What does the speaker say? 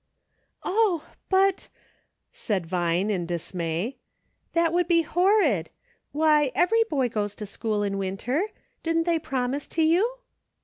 "Oh! but," said Vine, in dismay, "that would be horrid ! Why, every boy goes to school in winter. Didn't they promise to you